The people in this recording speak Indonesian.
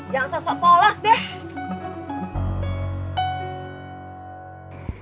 jangan sosok polos deh